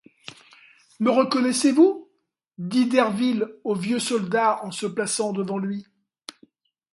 Me reconnaissez-vous? dit Derville au vieux soldat en se plaçant devant lui.